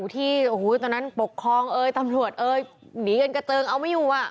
ที่ตอนนั้นปกครองเอยตำรวจเอ่ยหนีกันกระเจิงเอาไม่อยู่